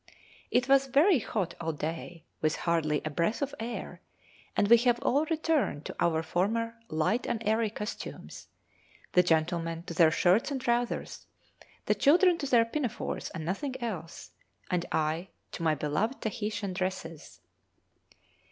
It was very hot all day, with hardly a breath of air, and we have all returned to our former light and airy costumes: the gentlemen to their shirts and trousers, the children to their pinafores and nothing else, and I to my beloved Tahitian dresses.